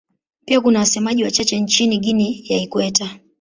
Pia kuna wasemaji wachache nchini Guinea ya Ikweta.